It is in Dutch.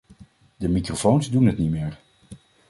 De microfoons doen het niet meer.